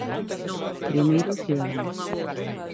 Primeiro o cidadán.